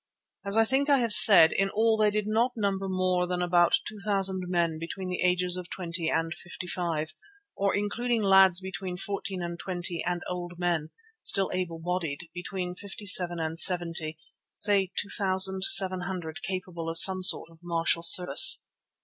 As I think I have said, in all they did not number more than about two thousand men between the ages of twenty and fifty five, or, including lads between fourteen and twenty and old men still able bodied between fifty five and seventy, say two thousand seven hundred capable of some sort of martial service.